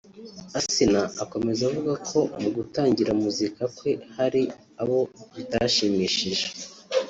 Asinah akomeza avuga ko mu gutangira muzika kwe hari abo bitashimishije